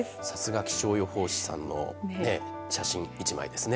さすが気象予報士さんの写真１枚ですね。